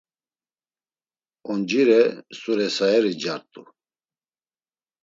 Oncire, st̆uresaeri ncart̆u.